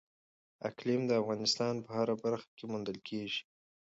اقلیم د افغانستان په هره برخه کې موندل کېږي.